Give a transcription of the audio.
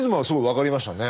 分かりました。